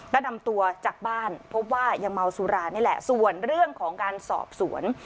และนำตัวจากบ้านพบว่ายังเมาสุรานี่แหละส่วนเรื่องของการสอบสวน